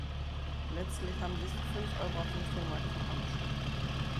Letztlich haben sie es für fünf Euro auf dem Flohmarkt verramscht.